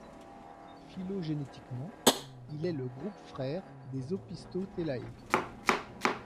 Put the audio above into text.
Phylogénétiquement il est le groupe frère des Opisthothelae.